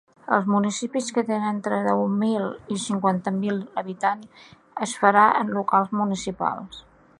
Als municipis que tenen entre deu mil i cinquanta mil habitants, es farà en locals municipals.